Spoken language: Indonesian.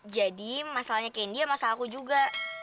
jadi masalahnya candy ya masalah aku juga